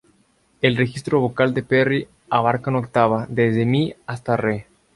El registro vocal de Perry abarca una octava, desde "mi" hasta "re".